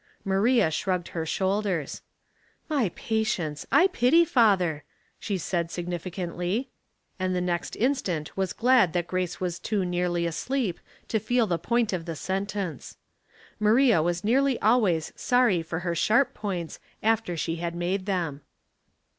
JMaria shrugged her shoulders. *•'• My patience ! I pity father," she said, sig nificantly; and the next instant was glad that Grace was too nearly asleep to feel the point of the sentence. Maria was nearly always sorry for her sharp points after she had made them.